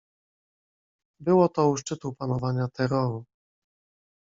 "Było to u szczytu panowania terroru."